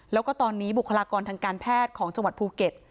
แล้วก็ตอนนี้บุคลากรทางการแพทย์ของจังหวัดภูเก็ต